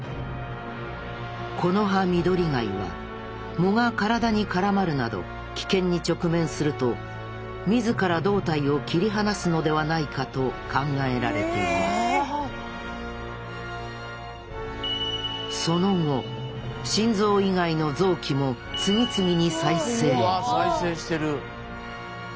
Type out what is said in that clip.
コノハミドリガイは藻が体に絡まるなど危険に直面すると自ら胴体を切り離すのではないかと考えられているその後心臓以外の臓器も次々に再生うわ再生してる！